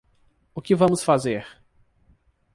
O que vamos fazer?